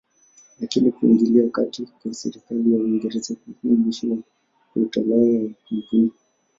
Lakini kuingilia kati kwa serikali ya Uingereza kulikuwa mwisho wa utawala wa kampuni.